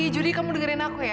judi kamu dengerin aku ya